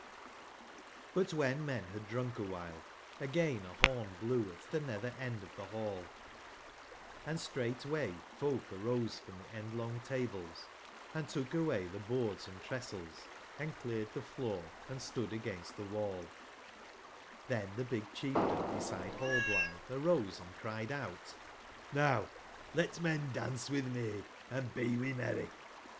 CTCwhen men had drunk awhile, again ahom blewatthenetherendof the ball, \& straightway folkarose from theend/ long tables, and took away the boards and trestles, and cleared the floor and I stood against the wall; then the big chieftain beside Rallblithe arose & cried out: '*)Vow let man dance with maid, and be we merry!